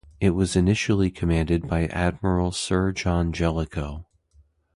It was initially commanded by Admiral Sir John Jellicoe.